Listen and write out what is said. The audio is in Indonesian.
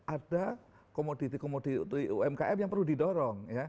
ada komoditi komoditi untuk umkm yang perlu didorong